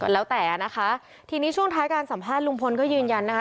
แล้วแต่นะคะทีนี้ช่วงท้ายการสัมภาษณ์ลุงพลก็ยืนยันนะคะ